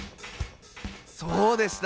そうでした！